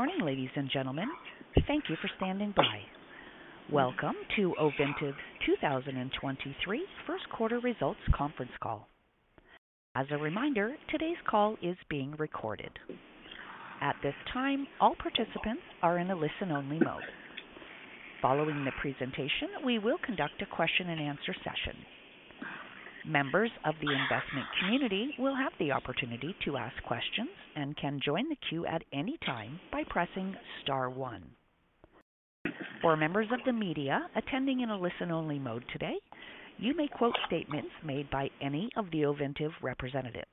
Good morning, ladies and gentlemen. Thank you for standing by. Welcome to Ovintiv's 2023 1st quarter results conference call. As a reminder, today's call is being recorded. At this time, all participants are in a listen-only mode. Following the presentation, we will conduct a question-and-answer session. Members of the investment community will have the opportunity to ask questions and can join the queue at any time by pressing star one. For members of the media attending in a listen-only mode today, you may quote statements made by any of the Ovintiv representatives.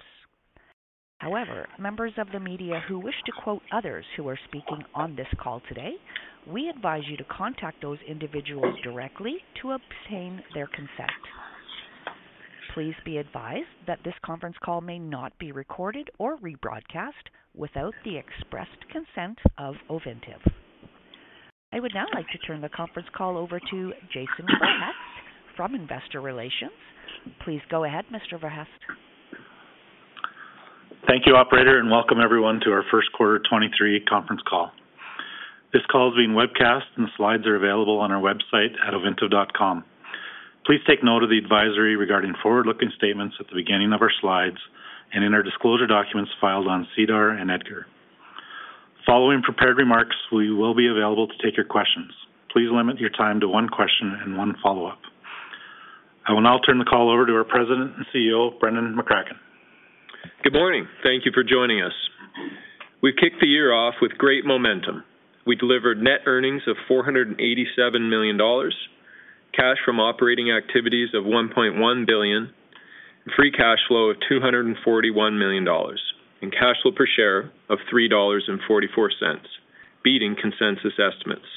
However, members of the media who wish to quote others who are speaking on this call today, we advise you to contact those individuals directly to obtain their consent. Please be advised that this conference call may not be recorded or rebroadcast without the expressed consent of Ovintiv. I would now like to turn the conference call over to Jason Verhaest from Investor Relations. Please go ahead, Mr. Verhaest. Thank you, operator, and welcome everyone to our 1st quarter 2023 conference call. This call is being webcast and slides are available on our website at ovintiv.com. Please take note of the advisory regarding forward-looking statements at the beginning of our slides and in our disclosure documents filed on SEDAR and EDGAR. Following prepared remarks, we will be available to take your questions. Please limit your time to one question and one follow-up. I will now turn the call over to our President and CEO, Brendan McCracken. Good morning. Thank you for joining us. We've kicked the year off with great momentum. We delivered net earnings of $487 million, cash from operating activities of $1.1 billion, free cash flow of $241 million, and cash flow per share of $3.44, beating consensus estimates.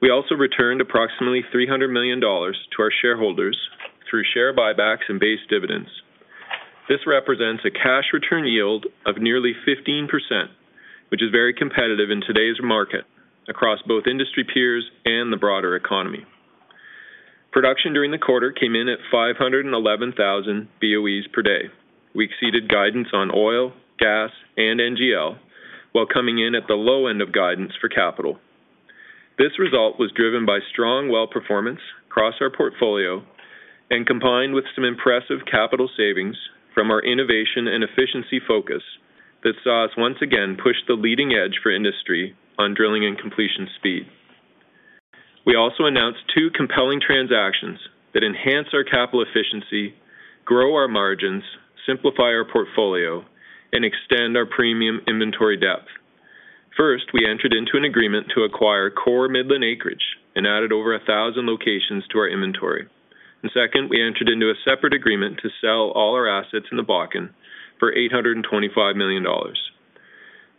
We also returned approximately $300 million to our shareholders through share buybacks and base dividends. This represents a cash return yield of nearly 15%, which is very competitive in today's market across both industry peers and the broader economy. Production during the quarter came in at 511,000 BOEs per day. We exceeded guidance on oil, gas, and NGL while coming in at the low end of guidance for capital. This result was driven by strong well performance across our portfolio and combined with some impressive capital savings from our innovation and efficiency focus that saw us once again push the leading edge for industry on drilling and completion speed. We also announced two compelling transactions that enhance our capital efficiency, grow our margins, simplify our portfolio, and extend our premium inventory depth. First, we entered into an agreement to acquire core Midland acreage and added over 1,000 locations to our inventory. Second, we entered into a separate agreement to sell all our assets in the Bakken for $825 million.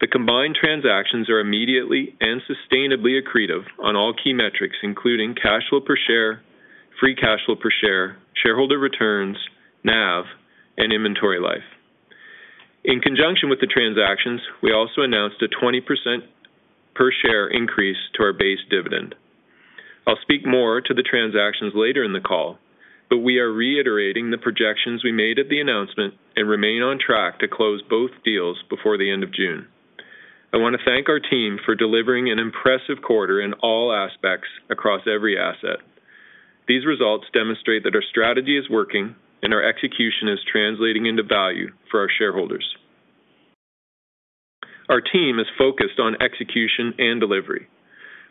The combined transactions are immediately and sustainably accretive on all key metrics, including cash flow per share, free cash flow per share, shareholder returns, NAV, and inventory life. In conjunction with the transactions, we also announced a 20% per share increase to our base dividend. I'll speak more to the transactions later in the call, we are reiterating the projections we made at the announcement and remain on track to close both deals before the end of June. I wanna thank our team for delivering an impressive quarter in all aspects across every asset. These results demonstrate that our strategy is working and our execution is translating into value for our shareholders. Our team is focused on execution and delivery.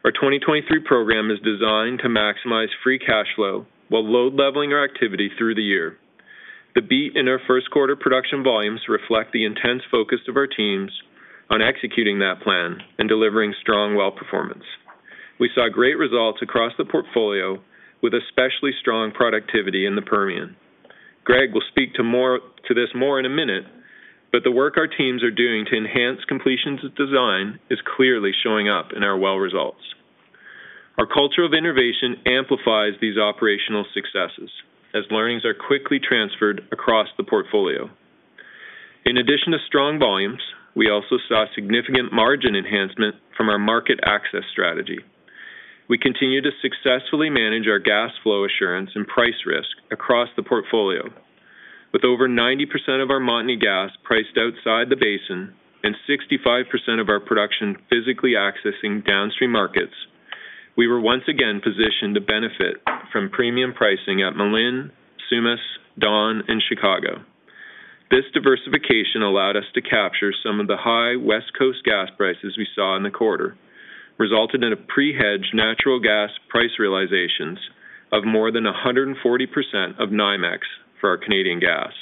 Our 2023 program is designed to maximize free cash flow while load leveling our activity through the year. The beat in our 1st quarter production volumes reflect the intense focus of our teams on executing that plan and delivering strong well performance. We saw great results across the portfolio with especially strong productivity in the Permian. Greg will speak to this more in a minute. The work our teams are doing to enhance completions of design is clearly showing up in our well results. Our culture of innovation amplifies these operational successes as learnings are quickly transferred across the portfolio. In addition to strong volumes, we also saw significant margin enhancement from our market access strategy. We continue to successfully manage our gas flow assurance and price risk across the portfolio. With over 90% of our Montney gas priced outside the basin and 65% of our production physically accessing downstream markets, we were once again positioned to benefit from premium pricing at Malin, Sumas, Dawn, and Chicago. This diversification allowed us to capture some of the high West Coast gas prices we saw in the quarter, resulted in a pre-hedged natural gas price realizations of more than 140% of NYMEX for our Canadian gas.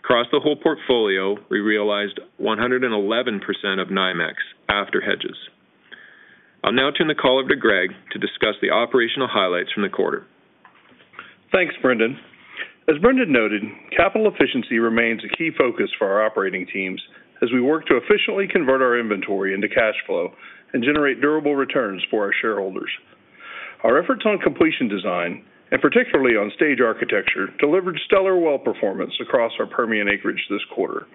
Across the whole portfolio, we realized 111% of NYMEX after hedges. I'll now turn the call over to Greg to discuss the operational highlights from the quarter. Thanks, Brendan. As Brendan noted, capital efficiency remains a key focus for our operating teams as we work to efficiently convert our inventory into cash flow and generate durable returns for our shareholders. Our efforts on completion design, and particularly on stage architecture, delivered stellar well performance across our Permian acreage this quarter.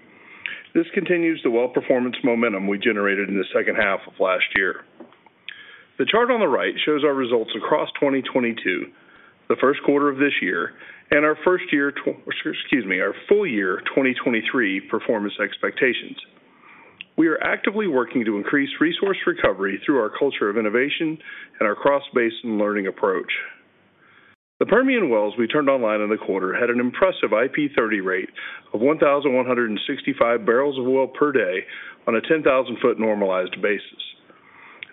This continues the well performance momentum we generated in the second half of last year. The chart on the right shows our results across 2022, the 1st quarter of this year, and our full year 2023 performance expectations. We are actively working to increase resource recovery through our culture of innovation and our cross basin learning approach. The Permian wells we turned online in the quarter had an impressive IP30 rate of 1,165 barrels of oil per day on a 10,000 foot normalized basis.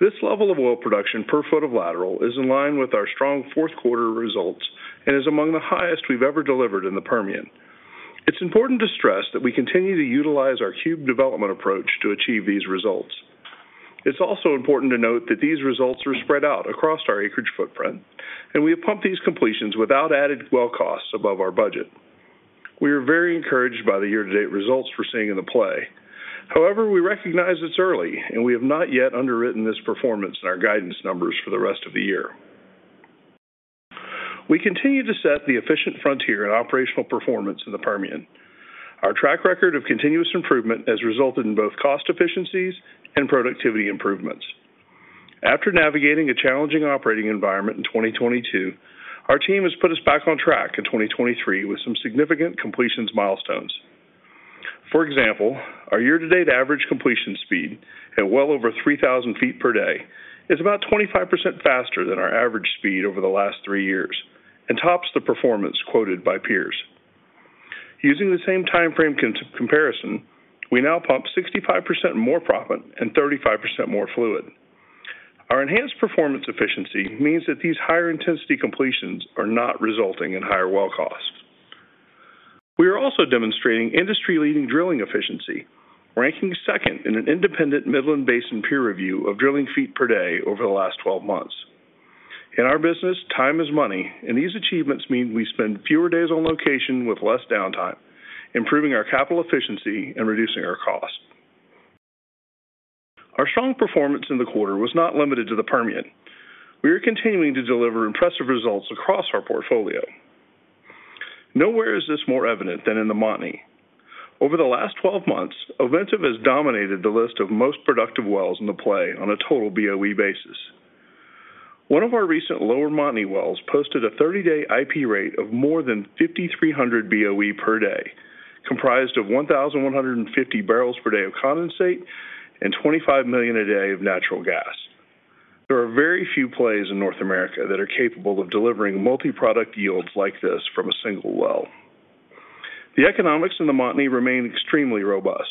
This level of oil production per foot of lateral is in line with our strong 4th quarter results and is among the highest we've ever delivered in the Permian. It's important to stress that we continue to utilize our cube development approach to achieve these results. It's also important to note that these results are spread out across our acreage footprint, and we have pumped these completions without added well costs above our budget. We are very encouraged by the year-to-date results we're seeing in the play. We recognize it's early, and we have not yet underwritten this performance in our guidance numbers for the rest of the year. We continue to set the efficient frontier in operational performance in the Permian. Our track record of continuous improvement has resulted in both cost efficiencies and productivity improvements. After navigating a challenging operating environment in 2022, our team has put us back on track in 2023 with some significant completions milestones. For example, our year-to-date average completion speed at well over 3,000 feet per day is about 25% faster than our average speed over the last 3 years and tops the performance quoted by peers. Using the same timeframe comp-comparison, we now pump 65% more profit and 35% more fluid. Our enhanced performance efficiency means that these higher intensity completions are not resulting in higher well costs. We are also demonstrating industry-leading drilling efficiency, ranking second in an independent Midland Basin peer review of drilling feet per day over the last 12 months. In our business, time is money. These achievements mean we spend fewer days on location with less downtime, improving our capital efficiency and reducing our cost. Our strong performance in the quarter was not limited to the Permian. We are continuing to deliver impressive results across our portfolio. Nowhere is this more evident than in the Montney. Over the last 12 months, Ovintiv has dominated the list of most productive wells in the play on a total BOE basis. One of our recent lower Montney wells posted a 30-day IP rate of more than 5,300 BOE per day, comprised of 1,150 barrels per day of condensate and 25 million a day of natural gas. There are very few plays in North America that are capable of delivering multi-product yields like this from a single well. The economics in the Montney remain extremely robust.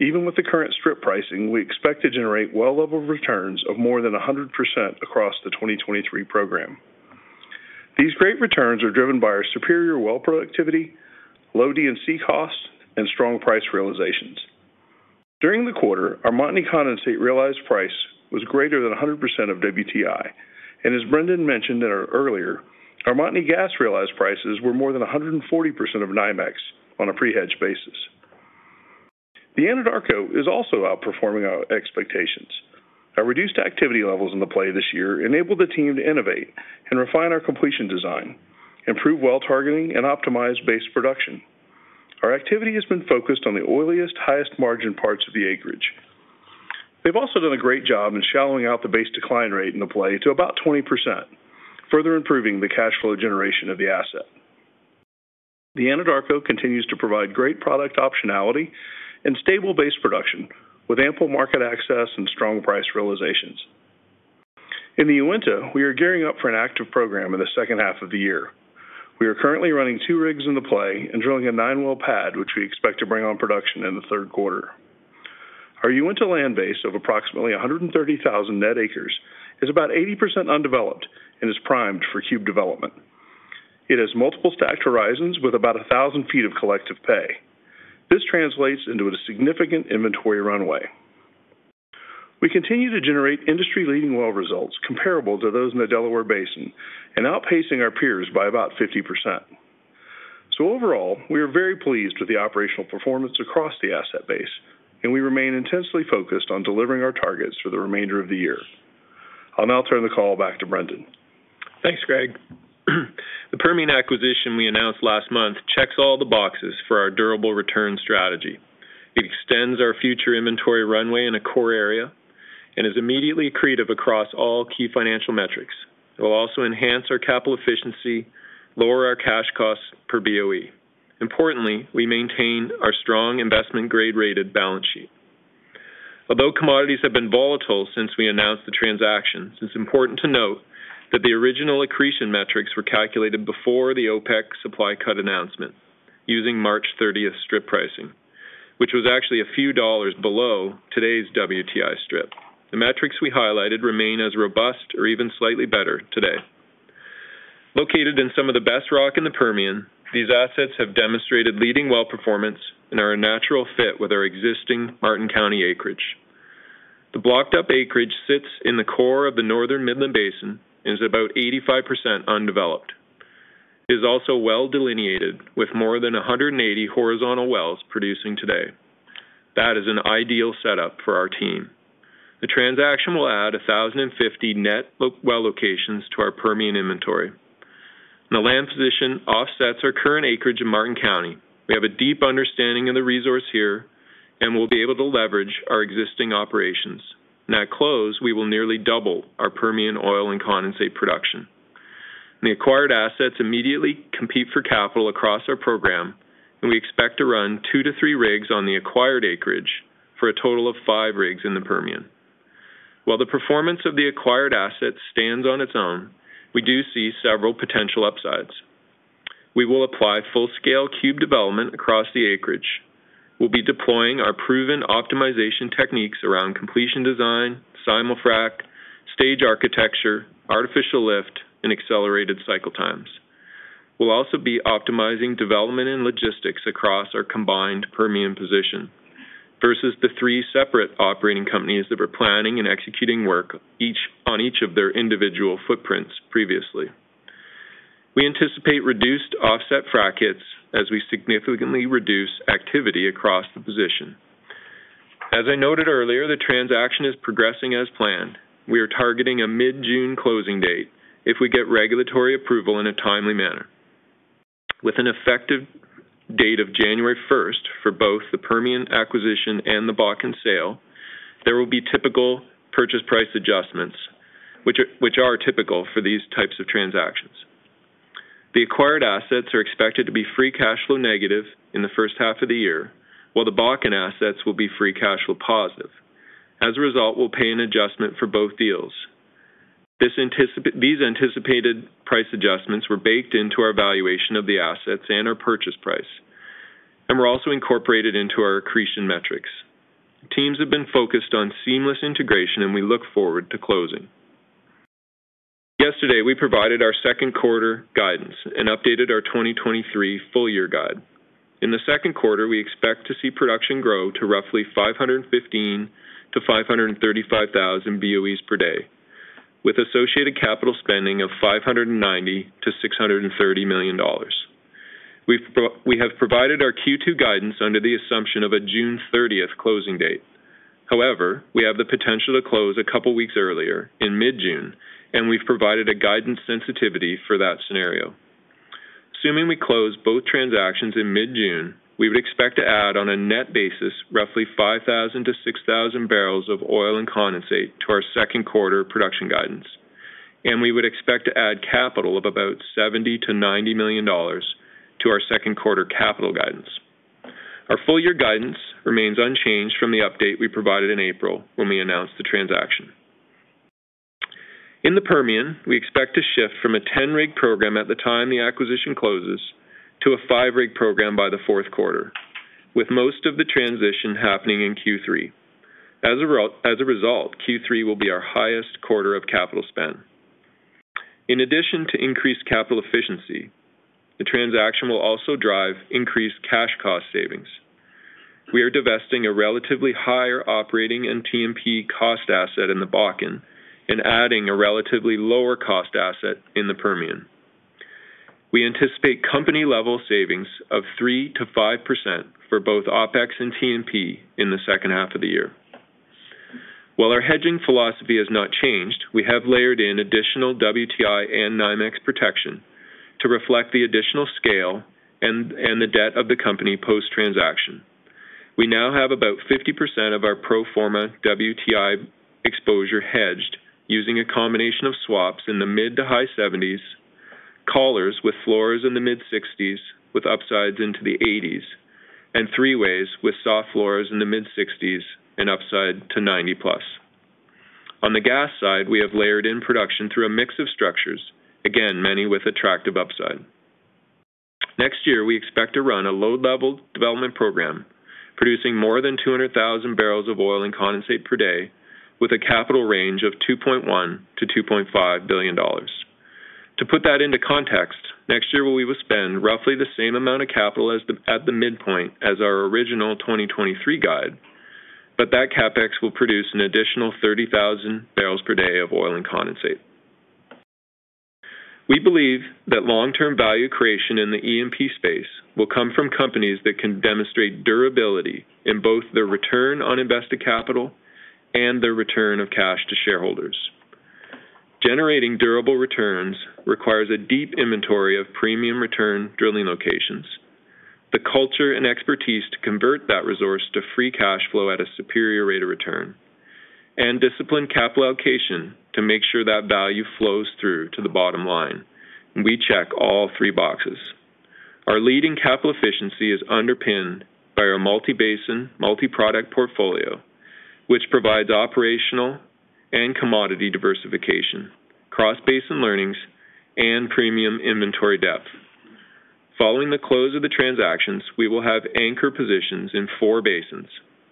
Even with the current strip pricing, we expect to generate well level returns of more than 100% across the 2023 program. These great returns are driven by our superior well productivity, low D&C costs, and strong price realizations. During the quarter, our Montney condensate realized price was greater than 100% of WTI. As Brendan mentioned in our earlier, our Montney gas realized prices were more than 140% of NYMEX on a pre-hedge basis. The Anadarko is also outperforming our expectations. Our reduced activity levels in the play this year enabled the team to innovate and refine our completion design, improve well targeting, and optimize base production. Our activity has been focused on the oiliest, highest margin parts of the acreage. They've also done a great job in shallowing out the base decline rate in the play to about 20%, further improving the cash flow generation of the asset. The Anadarko continues to provide great product optionality and stable base production with ample market access and strong price realizations. In the Uinta, we are gearing up for an active program in the 2nd half of the year. We are currently running two rigs in the play and drilling a nine-well pad, which we expect to bring on production in the 3rd quarter. Our Uinta land base of approximately 130,000 net acres is about 80% undeveloped and is primed for cube development. It has multiple stacked horizons with about 1,000 feet of collective pay. This translates into a significant inventory runway. We continue to generate industry-leading well results comparable to those in the Delaware Basin and outpacing our peers by about 50%. Overall, we are very pleased with the operational performance across the asset base, and we remain intensely focused on delivering our targets for the remainder of the year. I'll now turn the call back to Brendan. Thanks, Greg. The Permian acquisition we announced last month checks all the boxes for our durable return strategy. It extends our future inventory runway in a core area and is immediately accretive across all key financial metrics. It will also enhance our capital efficiency, lower our cash costs per BOE. Importantly, we maintain our strong investment grade-rated balance sheet. Although commodities have been volatile since we announced the transaction, it's important to note that the original accretion metrics were calculated before the OPEC supply cut announcement using March thirtieth strip pricing, which was actually a few dollars below today's WTI strip. The metrics we highlighted remain as robust or even slightly better today. Located in some of the best rock in the Permian, these assets have demonstrated leading well performance and are a natural fit with our existing Martin County acreage. The blocked up acreage sits in the core of the Northern Midland Basin and is about 85% undeveloped. It is also well delineated with more than 180 horizontal wells producing today. That is an ideal setup for our team. The transaction will add 1,050 net well locations to our Permian inventory. The land position offsets our current acreage in Martin County. We have a deep understanding of the resource here, and we'll be able to leverage our existing operations. At close, we will nearly double our Permian oil and condensate production. The acquired assets immediately compete for capital across our program, and we expect to run 2-3 rigs on the acquired acreage for a total of 5 rigs in the Permian. While the performance of the acquired assets stands on its own, we do see several potential upsides. We will apply full-scale cube development across the acreage. We'll be deploying our proven optimization techniques around completion design, simulfrac, stage architecture, artificial lift, and accelerated cycle times. We'll also be optimizing development and logistics across our combined Permian position versus the three separate operating companies that were planning and executing work on each of their individual footprints previously. We anticipate reduced offset frac hits as we significantly reduce activity across the position. As I noted earlier, the transaction is progressing as planned. We are targeting a mid-June closing date if we get regulatory approval in a timely manner. With an effective date of January 1st for both the Permian acquisition and the Bakken sale, there will be typical purchase price adjustments which are typical for these types of transactions. The acquired assets are expected to be free cash flow negative in the 1st half of the year, while the Bakken assets will be free cash flow positive. We'll pay an adjustment for both deals. These anticipated price adjustments were baked into our valuation of the assets and our purchase price, and were also incorporated into our accretion metrics. Teams have been focused on seamless integration, and we look forward to closing. Yesterday, we provided our 2nd quarter guidance and updated our 2023 full year guide. In the 2nd quarter, we expect to see production grow to roughly 515,000-535,000 BOEs per day with associated capital spending of $590 million-$630 million. We have provided our Q2 guidance under the assumption of a June 30th closing date. We have the potential to close a couple weeks earlier in mid-June, and we've provided a guidance sensitivity for that scenario. Assuming we close both transactions in mid-June, we would expect to add, on a net basis, roughly 5,000-6,000 barrels of oil and condensate to our 2nd quarter production guidance, and we would expect to add capital of about $70 million-$90 million to our 2nd quarter capital guidance. Our full year guidance remains unchanged from the update we provided in April when we announced the transaction. In the Permian, we expect to shift from a 10-rig program at the time the acquisition closes to a 5-rig program by the 4th quarter, with most of the transition happening in Q3. As a result, Q3 will be our highest quarter of capital spend. In addition to increased capital efficiency, the transaction will also drive increased cash cost savings. We are divesting a relatively higher operating and TMP cost asset in the Bakken and adding a relatively lower cost asset in the Permian. We anticipate company-level savings of 3%-5% for both OpEx and TMP in the second half of the year. While our hedging philosophy has not changed, we have layered in additional WTI and NYMEX protection to reflect the additional scale and the debt of the company post-transaction. We now have about 50% of our pro forma WTI exposure hedged using a combination of swaps in the mid-to-high 70s, callers with floors in the mid-60s with upsides into the 80s, and three-ways with soft floors in the mid-60s and upside to 90-plus. On the gas side, we have layered in production through a mix of structures, again, many with attractive upside. Next year, we expect to run a low-level development program producing more than 200,000 barrels of oil and condensate per day with a capital range of $2.1 billion-$2.5 billion. To put that into context, next year we will spend roughly the same amount of capital at the midpoint as our original 2023 guide, that CapEx will produce an additional 30,000 barrels per day of oil and condensate. We believe that long-term value creation in the E&P space will come from companies that can demonstrate durability in both their return on invested capital and their return of cash to shareholders. Generating durable returns requires a deep inventory of premium return drilling locations, the culture and expertise to convert that resource to free cash flow at a superior rate of return, and disciplined capital allocation to make sure that value flows through to the bottom line. We check all three boxes. Our leading capital efficiency is underpinned by our multi-basin, multi-product portfolio, which provides operational and commodity diversification, cross-basin learnings, and premium inventory depth. Following the close of the transactions, we will have anchor positions in four basins: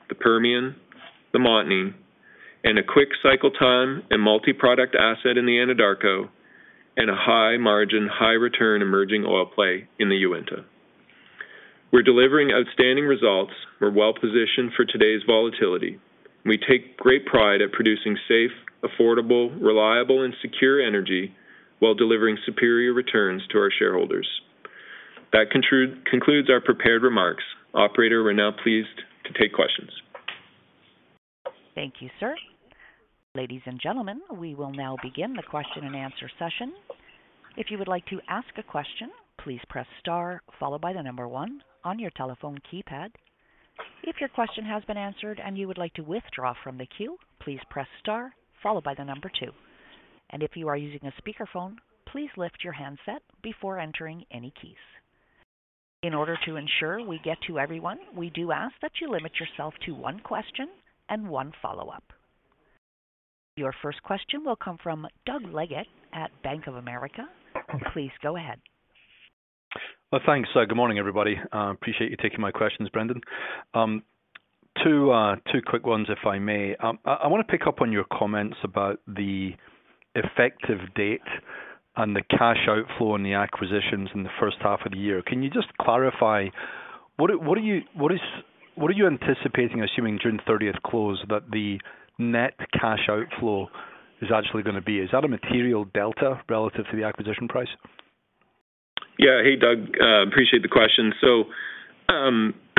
the Permian, the Montney, and a quick cycle time and multi-product asset in the Anadarko, and a high margin, high return emerging oil play in the Uinta. We're delivering outstanding results. We're well positioned for today's volatility. We take great pride at producing safe, affordable, reliable, and secure energy while delivering superior returns to our shareholders. That concludes our prepared remarks. Operator, we're now pleased to take questions. Thank you, sir. Ladies and gentlemen, we will now begin the question and answer session. If you would like to ask a question, please press star followed by the number 1 on your telephone keypad. If your question has been answered and you would like to withdraw from the queue, please press star followed by the number 2. If you are using a speakerphone, please lift your handset before entering any keys. In order to ensure we get to everyone, we do ask that you limit yourself to 1 question and 1 follow-up. Your 1st question will come from Doug Leggate at Bank of America. Please go ahead. Well, thanks. Good morning, everybody. Appreciate you taking my questions, Brendan. Two quick ones, if I may. I want to pick up on your comments about the effective date and the cash outflow and the acquisitions in the 1st half of the year. Can you just clarify what are you anticipating, assuming June 30th close, that the net cash outflow is actually going to be? Is that a material delta relative to the acquisition price? Yeah. Hey, Doug, appreciate the question.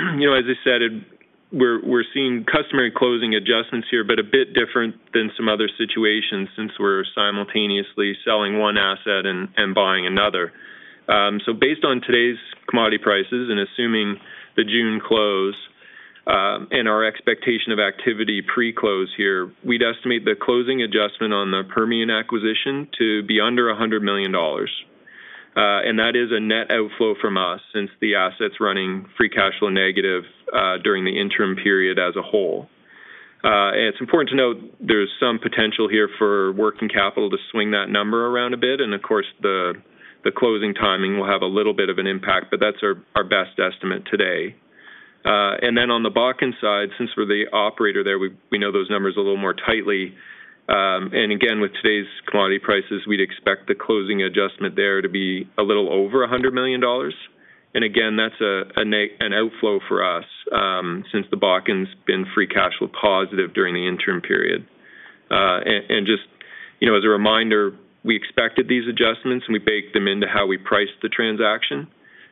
You know, as I said, we're seeing customer closing adjustments here, but a bit different than some other situations since we're simultaneously selling one asset and buying another. Based on today's commodity prices and assuming the June close, and our expectation of activity pre-close here, we'd estimate the closing adjustment on the Permian acquisition to be under $100 million. That is a net outflow from us since the assets running free cash flow negative during the interim period as a whole. It's important to note there's some potential here for working capital to swing that number around a bit. Of course, the closing timing will have a little bit of an impact, but that's our best estimate today. On the Bakken side, since we know those numbers a little more tightly. Again, with today's commodity prices, we'd expect the closing adjustment there to be a little over $100 million. Again, that's an outflow for us, since the Bakken's been free cash flow positive during the interim period. Just, you know, as a reminder, we expected these adjustments, and we baked them into how we priced the transaction,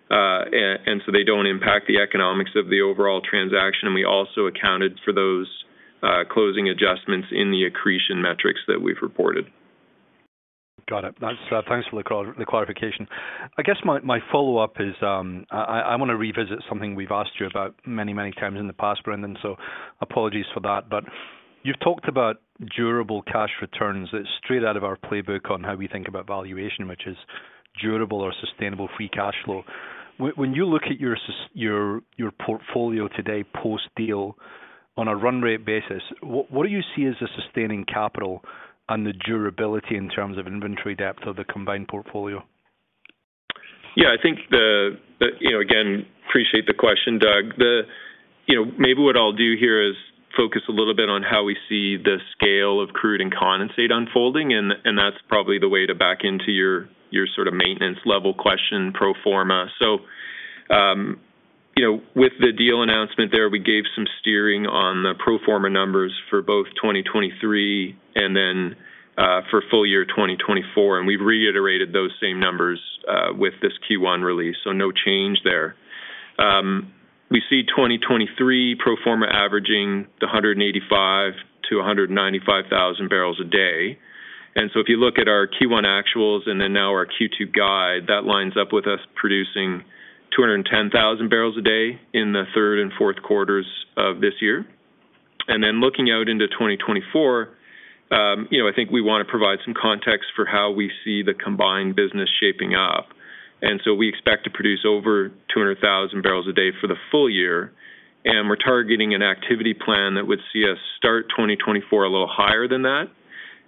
so they don't impact the economics of the overall transaction. We also accounted for those closing adjustments in the accretion metrics that we've reported. Got it. That's thanks for the clarification. I guess my follow-up is, I want to revisit something we've asked you about many, many times in the past, Brendan, so apologies for that. You've talked about durable cash returns. It's straight out of our playbook on how we think about valuation, which is durable or sustainable free cash flow. When you look at your portfolio today post-deal on a run rate basis, what do you see as the sustaining capital and the durability in terms of inventory depth of the combined portfolio? Yeah, I think you know, again, appreciate the question, Doug. You know, maybe what I'll do here is focus a little bit on how we see the scale of crude and condensate unfolding, and that's probably the way to back into your sort of maintenance level question pro forma. With the deal announcement there, we gave some steering on the pro forma numbers for both 2023 and then for full year 2024, and we've reiterated those same numbers with this Q1 release. No change there. We see 2023 pro forma averaging the 185,000-195,000 barrels a day. If you look at our Q1 actuals and then now our Q2 guide, that lines up with us producing 210,000 barrels a day in the 3rd and 4th quarters of this year. Looking out into 2024, you know, I think we want to provide some context for how we see the combined business shaping up. We expect to produce over 200,000 barrels a day for the full year. We're targeting an activity plan that would see us start 2024 a little higher than that,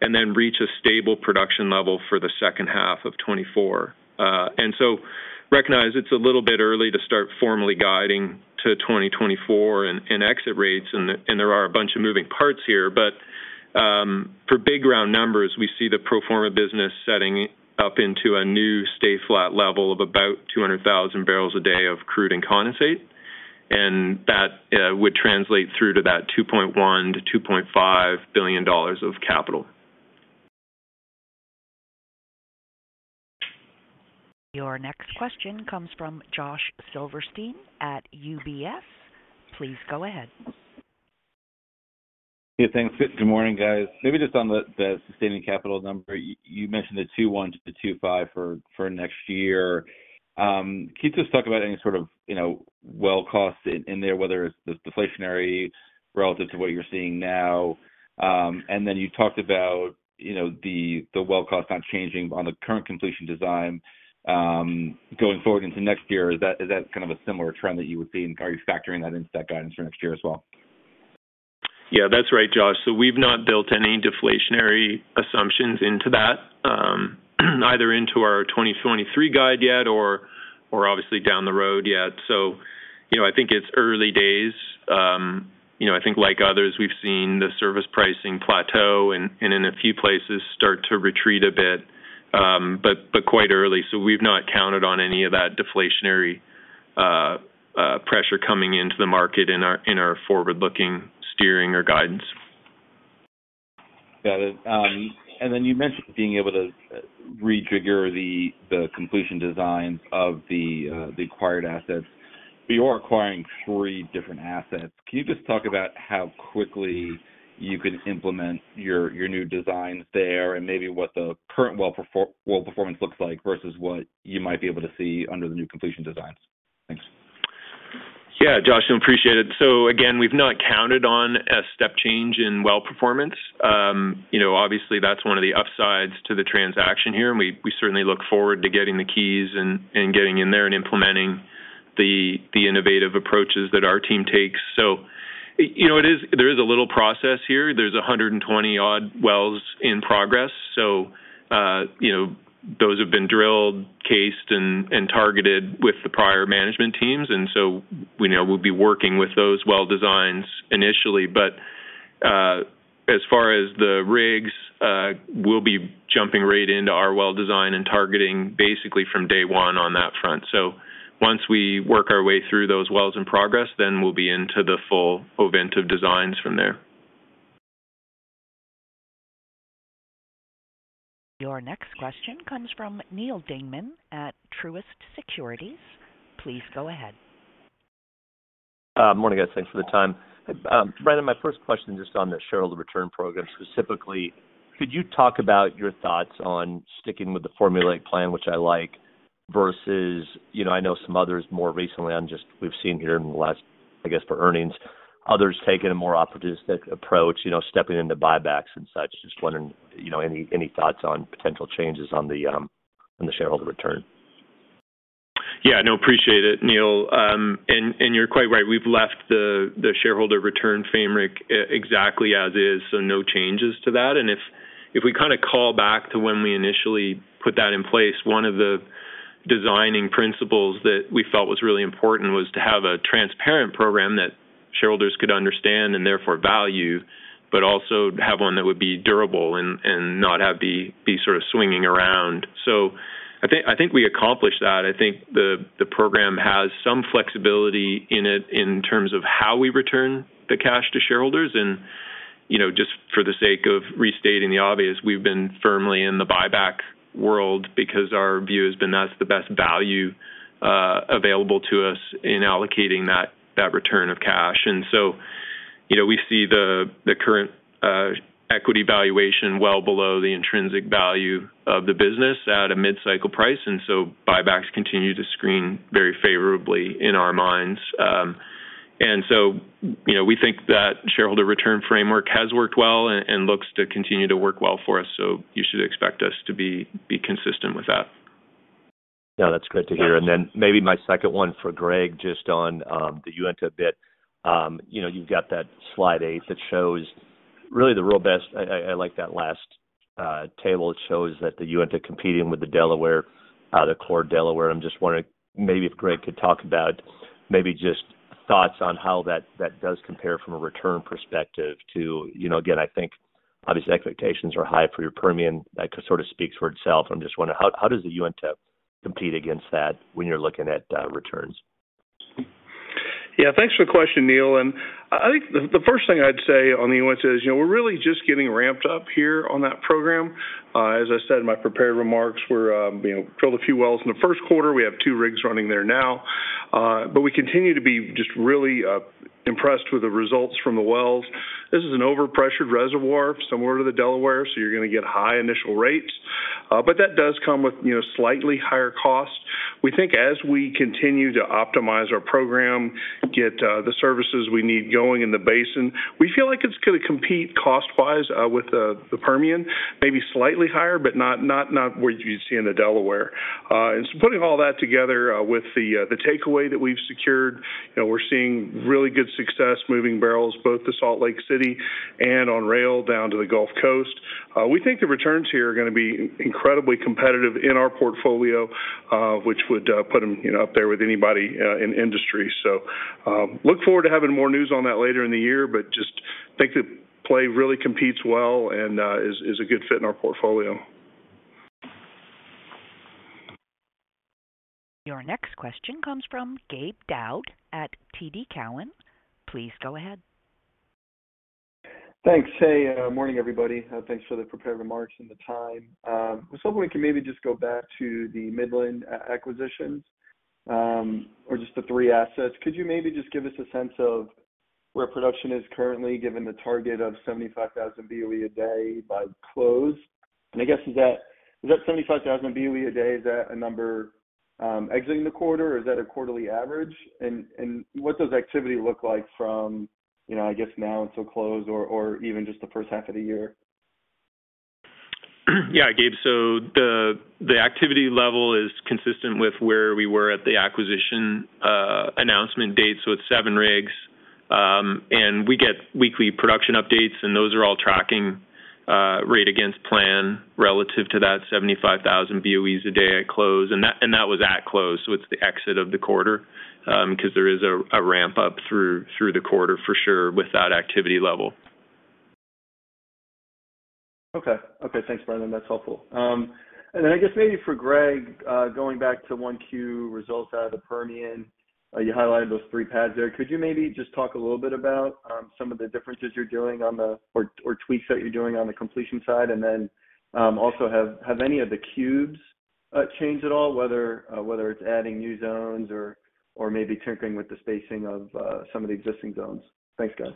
and then reach a stable production level for the 2nd half of 2024. Recognize it's a little bit early to start formally guiding to 2024 and exit rates. There are a bunch of moving parts here. For big round numbers, we see the pro forma business setting up into a new stay flat level of about 200,000 barrels a day of crude and condensate. That would translate through to that $2.1 billion-$2.5 billion of capital. Your next question comes from Josh Silverstein at UBS. Please go ahead. Yeah, thanks. Good morning, guys. Maybe just on the sustaining capital number, you mentioned the $2.1 billion-$2.5 billion for next year. Can you just talk about any sort of, you know, well costs in there, whether it's the deflationary relative to what you're seeing now? Then you talked about, you know, the well cost not changing on the current completion design, going forward into next year. Is that kind of a similar trend that you would see? Are you factoring that into that guidance for next year as well? Yeah, that's right, Josh. We've not built any deflationary assumptions into that, either into our 2023 guide yet or obviously down the road yet. You know, I think it's early days. You know, I think like others, we've seen the service pricing plateau and in a few places start to retreat a bit, but quite early. We've not counted on any of that deflationary pressure coming into the market in our forward-looking steering or guidance. Got it. Then you mentioned being able to re-trigger the completion designs of the acquired assets. You are acquiring three different assets. Can you just talk about how quickly you can implement your new designs there and maybe what the current well performance looks like versus what you might be able to see under the new completion designs? Thanks. Yeah, Josh, appreciate it. Again, we've not counted on a step change in well performance. You know, obviously that's one of the upsides to the transaction here, and we certainly look forward to getting the keys and getting in there and implementing the innovative approaches that our team takes. You know, there is a little process here. There's 120 odd wells in progress. You know, those have been drilled, cased, and targeted with the prior management teams. You know, we'll be working with those well designs initially. As far as the rigs, we'll be jumping right into our well design and targeting basically from day one on that front. Once we work our way through those wells in progress, then we'll be into the full Ovintiv designs from there. Your next question comes from Neal Dingman at Truist Securities. Please go ahead. Morning, guys. Thanks for the time. Brandon, my first question just on the shareholder return program. Specifically, could you talk about your thoughts on sticking with the formulate plan, which I like, versus, you know, I know some others more recently on just we've seen here in the last, I guess, for earnings, others taking a more opportunistic approach, you know, stepping into buybacks and such. Just wondering, you know, any thoughts on potential changes on the shareholder return? Yeah, no, appreciate it, Neal. You're quite right. We've left the shareholder return framework exactly as is, no changes to that. If we kind of call back to when we initially put that in place, one of the designing principles that we felt was really important was to have a transparent program that shareholders could understand and therefore value, but also have one that would be durable and not have sort of swinging around. I think we accomplished that. I think the program has some flexibility in it in terms of how we return the cash to shareholders. You know, just for the sake of restating the obvious, we've been firmly in the buyback world because our view has been that's the best value available to us in allocating that return of cash. You know, we see the current equity valuation well below the intrinsic value of the business at a mid-cycle price, and so buybacks continue to screen very favorably in our minds. You know, we think that shareholder return framework has worked well and looks to continue to work well for us, so you should expect us to be consistent with that. No, that's great to hear. Maybe my second one for Greg, just on the Uinta bit. you know, you've got that slide 8 that shows really the real best... I like that last table. It shows that the Uinta competing with the Delaware, the core Delaware. I'm just wondering maybe if Greg could talk about maybe just thoughts on how that does compare from a return perspective to, you know... I think obviously expectations are high for your Permian. That could sort of speaks for itself. I'm just wondering how does the Uinta compete against that when you're looking at returns? Yeah. Thanks for the question, Neal. I think the 1st thing I'd say on the Uinta is we're really just getting ramped up here on that program. As I said in my prepared remarks, we're drilled a few wells in the 1st quarter. We have two rigs running there now. We continue to be just really impressed with the results from the wells. This is an overpressured reservoir similar to the Delaware, you're gonna get high initial rates. That does come with slightly higher costs. We think as we continue to optimize our program, get the services we need going in the basin, we feel like it's gonna compete cost-wise with the Permian, maybe slightly higher, but not what you'd see in the Delaware. Putting all that together, with the takeaway that we've secured, you know, we're seeing really good success moving barrels both to Salt Lake City and on rail down to the Gulf Coast. We think the returns here are gonna be incredibly competitive in our portfolio, which would put them, you know, up there with anybody in industry. Look forward to having more news on that later in the year, but just think the play really competes well and is a good fit in our portfolio. Your next question comes from Gabe Daoud at TD Cowen. Please go ahead. Thanks. Hey, morning, everybody. Thanks for the prepared remarks and the time. I was hoping we can maybe just go back to the Midland acquisition, or just the three assets. Could you maybe just give us a sense of where production is currently, given the target of 75,000 BOE a day by close? I guess, is that 75,000 BOE a day, is that a number, exiting the quarter, or is that a quarterly average? What does activity look like from, you know, I guess now until close or, even just the 1st half of the year? Gabe. The activity level is consistent with where we were at the acquisition announcement date, it's 7 rigs. We get weekly production updates, and those are all tracking right against plan relative to that 75,000 BOEs a day at close. That was at close, it's the exit of the quarter, 'cause there is a ramp-up through the quarter for sure with that activity level. Okay. Okay. Thanks, Brandon. That's helpful. I guess maybe for Greg, going back to 1 Q results out of the Permian. You highlighted those three pads there. Could you maybe just talk a little bit about some of the differences you're doing or tweaks that you're doing on the completion side? Also, have any of the cubes changed at all, whether it's adding new zones or maybe tinkering with the spacing of some of the existing zones? Thanks, guys.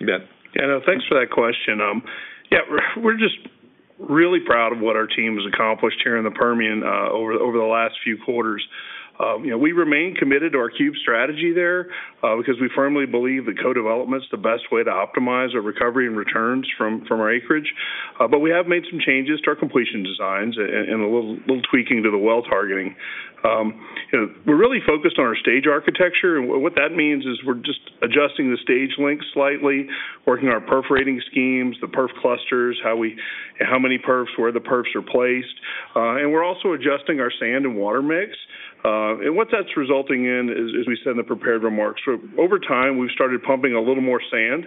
You bet. Yeah, no, thanks for that question. Yeah, we're just really proud of what our team has accomplished here in the Permian over the last few quarters. You know, we remain committed to our cube strategy there because we firmly believe that co-development's the best way to optimize our recovery and returns from our acreage. We have made some changes to our completion designs and a little tweaking to the well-targeting. You know, we're really focused on our stage architecture, and what that means is we're just adjusting the stage length slightly, working our perforating schemes, the perf clusters, how many perfs, where the perfs are placed. We're also adjusting our sand and water mix. What that's resulting in is, as we said in the prepared remarks. Over time, we've started pumping a little more sand,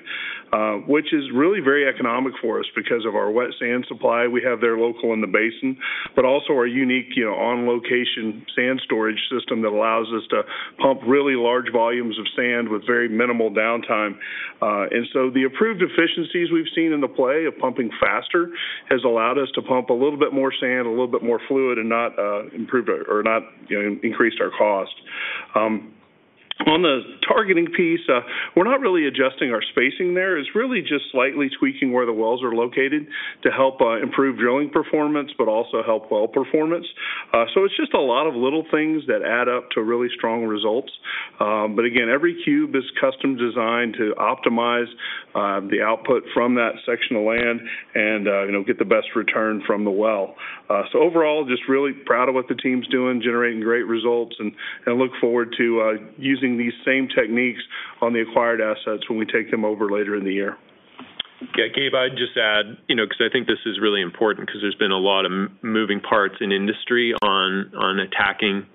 which is really very economic for us because of our wet sand supply we have there local in the basin, but also our unique, you know, on-location sand storage system that allows us to pump really large volumes of sand with very minimal downtime. The approved efficiencies we've seen in the play of pumping faster has allowed us to pump a little bit more sand, a little bit more fluid and not improve it or not, you know, increased our cost. On the targeting piece, we're not really adjusting our spacing there. It's really just slightly tweaking where the wells are located to help improve drilling performance, but also help well performance. It's just a lot of little things that add up to really strong results. Every cube is custom designed to optimize the output from that section of land and, you know, get the best return from the well. Overall, just really proud of what the team's doing, generating great results and look forward to using these same techniques on the acquired assets when we take them over later in the year. Yeah. Gabe, I'd just add, you know, 'cause I think this is really important because there's been a lot of moving parts in industry on attacking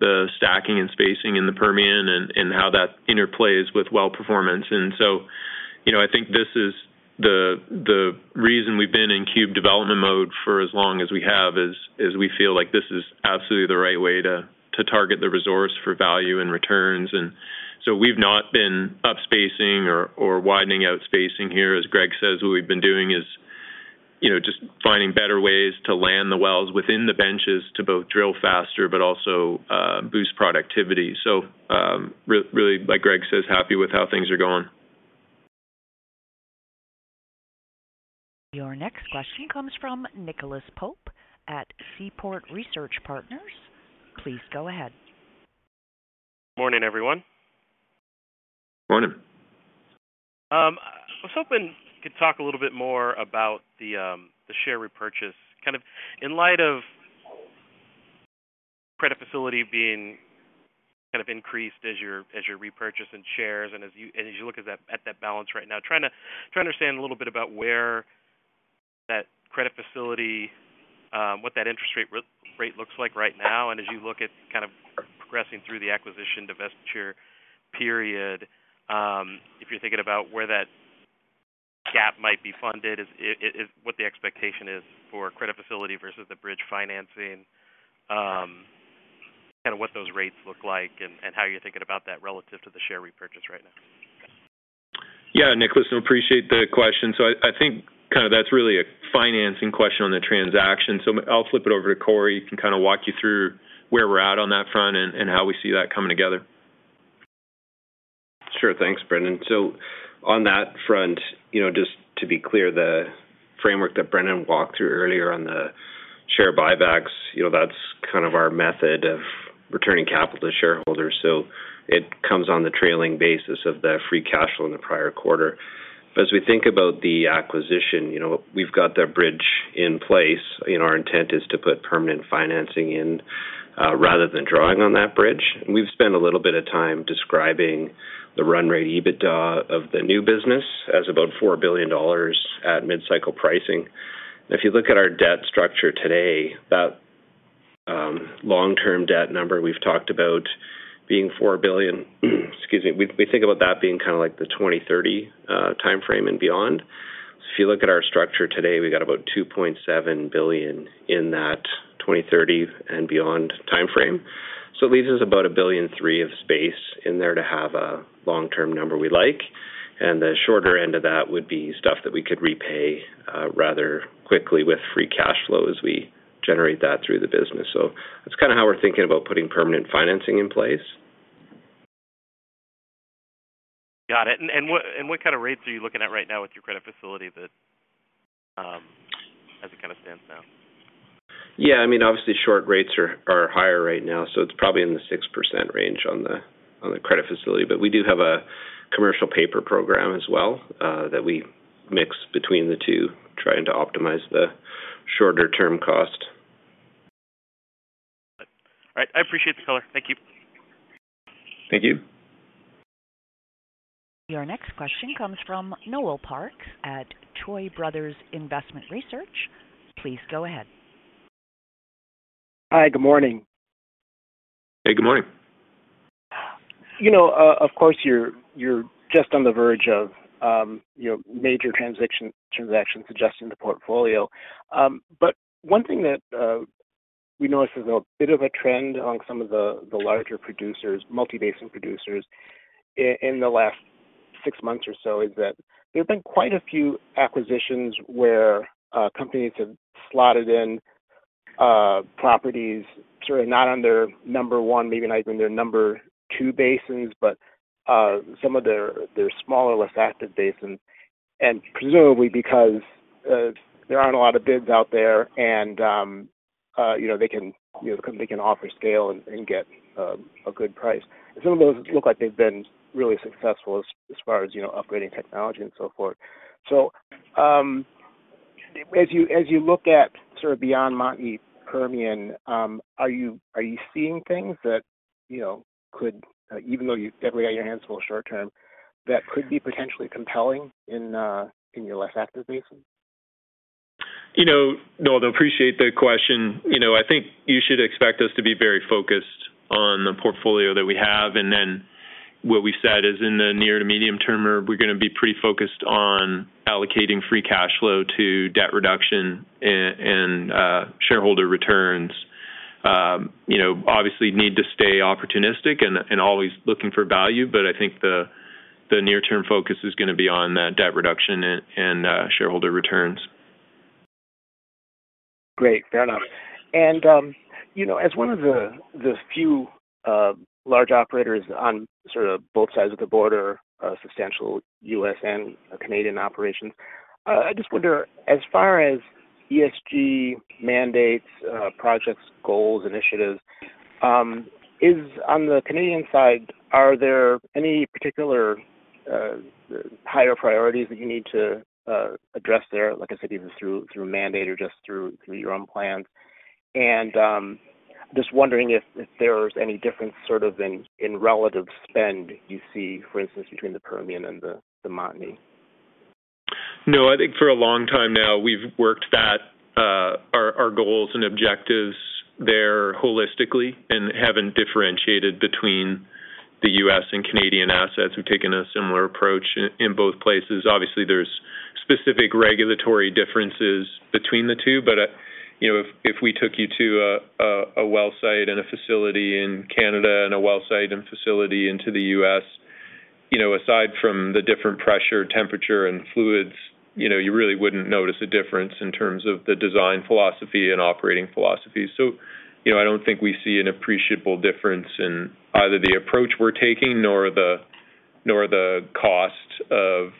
the stacking and spacing in the Permian and how that interplays with well performance. You know, I think this is the reason we've been in cube development mode for as long as we have is we feel like this is absolutely the right way to target the resource for value and returns. We've not been up spacing or widening out spacing here. As Greg says, what we've been doing is, you know, just finding better ways to land the wells within the benches to both drill faster but also boost productivity. Really, like Greg says, happy with how things are going. Your next question comes from Nicholas Pope at Seaport Research Partners. Please go ahead. Morning, everyone. Morning. I was hoping you could talk a little bit more about the share repurchase, kind of in light of credit facility being kind of increased as you're repurchasing shares and as you look at that balance right now. Trying to understand a little bit about where that credit facility, what that interest rate re-rate looks like right now. As you look at kind of progressing through the acquisition divestiture period, if you're thinking about where that gap might be funded, is what the expectation is for credit facility versus the bridge financing, kind of what those rates look like and how you're thinking about that relative to the share repurchase right now? Yeah. Nicholas, I appreciate the question. I think kinda that's really a financing question on the transaction. I'll flip it over to Corey, who can kind of walk you through where we're at on that front and how we see that coming together. Sure. Thanks, Brendan. On that front, you know, just to be clear, the framework that Brendan walked through earlier on the share buybacks, you know, that's kind of our method of returning capital to shareholders. It comes on the trailing basis of the free cash flow in the prior quarter. As we think about the acquisition, you know, we've got that bridge in place, and our intent is to put permanent financing in, rather than drawing on that bridge. We've spent a little bit of time describing the run rate EBITDA of the new business as about $4 billion at mid-cycle pricing. If you look at our debt structure today, that, long-term debt number we've talked about being $4 billion, excuse me, we think about that being kind of like the 2030 timeframe and beyond. If you look at our structure today, we got about $2.7 billion in that 2030 and beyond timeframe. It leaves us about $1.3 billion of space in there to have a long-term number we like. The shorter end of that would be stuff that we could repay rather quickly with free cash flow as we generate that through the business. That's kinda how we're thinking about putting permanent financing in place. Got it. What kind of rates are you looking at right now with your credit facility that as it kind of stands now? Yeah, I mean, obviously short rates are higher right now, so it's probably in the 6% range on the, on the credit facility. We do have a commercial paper program as well, that we mix between the two, trying to optimize the shorter-term cost. All right. I appreciate the color. Thank you. Thank you. Your next question comes from Noel Parks at Tuohy Brothers Investment Research. Please go ahead. Hi. Good morning. Hey, good morning. You know, of course, you're just on the verge of, you know, major transaction suggesting the portfolio. But one thing that we noticed is a bit of a trend on some of the larger producers, multi-basin producers in the last 6 months or so is that there have been quite a few acquisitions where companies have slotted in properties sort of not on their number one, maybe not even their number two basins, but some of their smaller, less active basins. Presumably because there aren't a lot of bids out there and, you know, they can, you know, they can offer scale and get a good price. Some of those look like they've been really successful as far as, you know, upgrading technology and so forth. As you look at sort of beyond Montney Permian, are you seeing things that, you know, could, even though you've definitely got your hands full short term, that could be potentially compelling in your less active basin? You know, no, I appreciate the question. You know, I think you should expect us to be very focused on the portfolio that we have. What we said is in the near to medium term, we're gonna be pretty focused on allocating free cash flow to debt reduction and shareholder returns. You know, obviously need to stay opportunistic and always looking for value, but I think the near term focus is gonna be on the debt reduction and shareholder returns. Great. Fair enough. You know, as one of the few, large operators on sort of both sides of the border, substantial U.S. and Canadian operations, I just wonder, as far as ESG mandates, projects, goals, initiatives, is on the Canadian side, are there any particular, higher priorities that you need to address there? Like I said, even through mandate or just through your own plans. Just wondering if there's any difference sort of in relative spend you see, for instance, between the Permian and the Montney? I think for a long time now, we've worked at, our goals and objectives there holistically and haven't differentiated between the U.S. and Canadian assets. We've taken a similar approach in both places. Obviously, there's specific regulatory differences between the two, but, you know, if we took you to a, a well site and a facility in Canada and a well site and facility into the U.S., you know, aside from the different pressure, temperature, and fluids, you know, you really wouldn't notice a difference in terms of the design philosophy and operating philosophy. You know, I don't think we see an appreciable difference in either the approach we're taking nor the cost of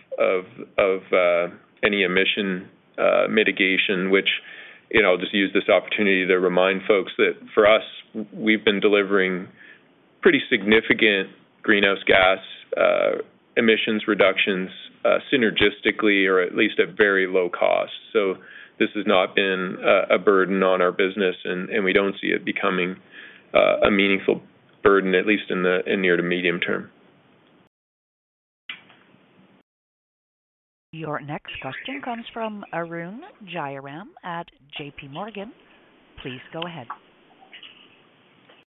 any emission mitigation, which, you know, I'll just use this opportunity to remind folks that for us, we've been delivering pretty significant greenhouse gas emissions reductions, synergistically or at least at very low cost. This has not been a burden on our business and we don't see it becoming a meaningful burden, at least in the near to medium term. Your next question comes from Arun Jayaram at J.P. Morgan. Please go ahead.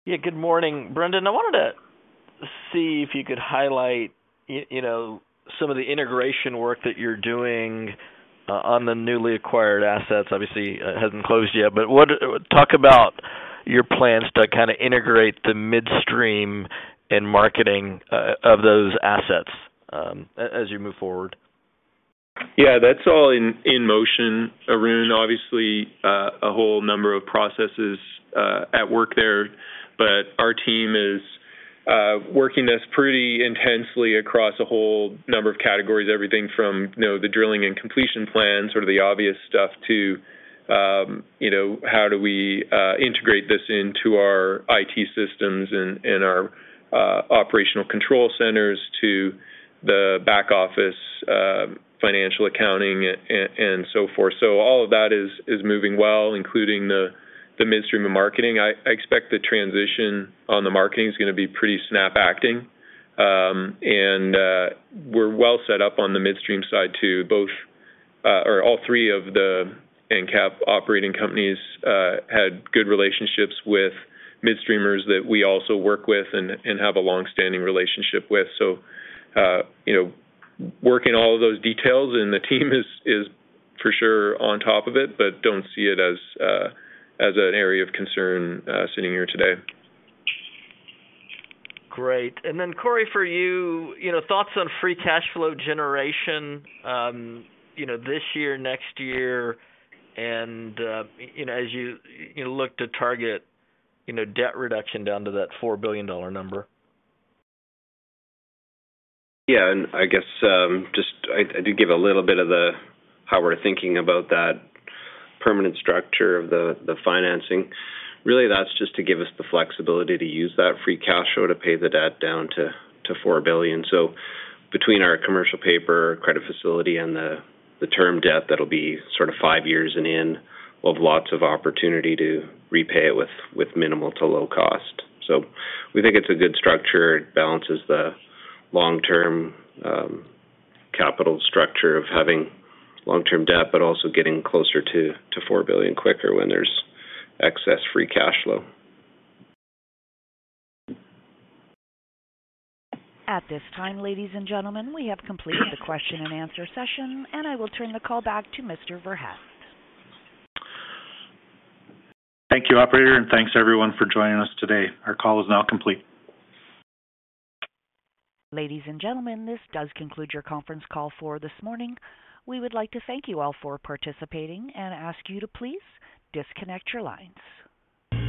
Yeah, good morning, Brendan. I wanted to see if you could highlight you know, some of the integration work that you're doing on the newly acquired assets. Obviously, it hasn't closed yet. Talk about your plans to kinda integrate the midstream and marketing of those assets as you move forward. Yeah, that's all in motion, Arun. Obviously, a whole number of processes at work there, but our team is working this pretty intensely across a whole number of categories. Everything from, you know, the drilling and completion plan, sort of the obvious stuff to, you know, how do we integrate this into our IT systems and our operational control centers to the back office, financial accounting and so forth. All of that is moving well, including the midstream and marketing. I expect the transition on the marketing is gonna be pretty snap acting. We're well set up on the midstream side. All three of the EnCap operating companies had good relationships with mid-streamers that we also work with and have a long-standing relationship with. You know, working all of those details in the team is for sure on top of it, but don't see it as an area of concern, sitting here today. Great. Corey, for you know, thoughts on free cash flow generation, you know, this year, next year, you know, as you look to target, you know, debt reduction down to that $4 billion number. Yeah. I guess, I do give a little bit of how we're thinking about that permanent structure of the financing. Really, that's just to give us the flexibility to use that free cash flow to pay the debt down to $4 billion. Between our commercial paper, credit facility, and the term debt, that'll be sort of 5 years and in. We'll have lots of opportunity to repay it with minimal to low cost. We think it's a good structure. It balances the long-term capital structure of having long-term debt, but also getting closer to $4 billion quicker when there's excess free cash flow. At this time, ladies and gentlemen, we have completed the question and answer session, and I will turn the call back to Mr. Verhaest. Thank you, operator, and thanks everyone for joining us today. Our call is now complete. Ladies and gentlemen, this does conclude your conference call for this morning. We would like to thank you all for participating and ask you to please disconnect your lines.